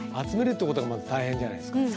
集めるってことがまず大変じゃないですか。